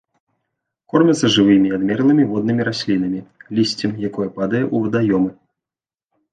Кормяцца жывымі і адмерлымі воднымі раслінамі, лісцем, якое падае ў вадаёмы.